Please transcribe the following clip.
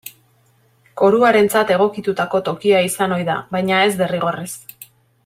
Koruarentzat egokitutako tokia izan ohi da, baina ez derrigorrez.